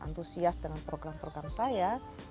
antusias dengan program program saya